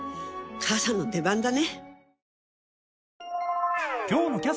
母さんの出番だね。